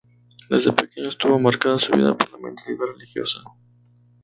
Desde pequeño estuvo marcada su vida por la mentalidad religiosa.